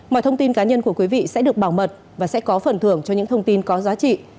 mọi thông tin cá nhân của quý vị sẽ được bảo mật và sẽ có phần thưởng cho những thông tin có giá trị